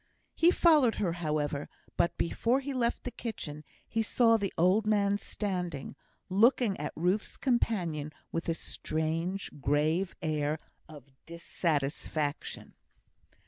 He followed her, however; but before he left the kitchen he saw the old man standing, looking at Ruth's companion with a strange, grave air of dissatisfaction.